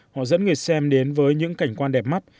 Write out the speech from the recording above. họ dẫn người xem đến với những cảnh quan đẹp mắt